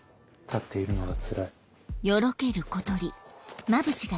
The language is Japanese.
立っているのがつらい。